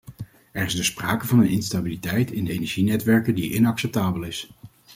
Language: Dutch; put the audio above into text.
Er is dus sprake van een instabiliteit in de energienetwerken die inacceptabel is.